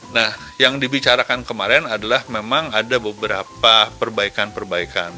nah yang dibicarakan kemarin adalah memang ada beberapa perbaikan perbaikan